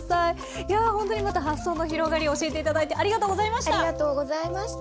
いやほんとにまた発想の広がり教えて頂いてありがとうございました！